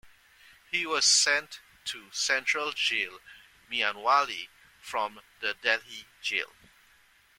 He was sent to Central Jail Mianwali from the Delhi jail.